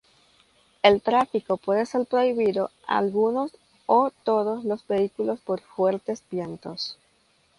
El tráfico puede ser prohibido a algunos o todos los vehículos por fuertes vientos.